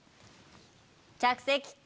着席。